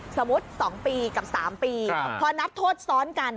สมมุติ๒ปีกับ๓ปีพอนับโทษซ้อนกัน